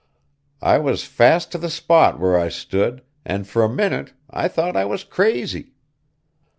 I was fast to the spot where I stood, and for a minute I thought I was crazy.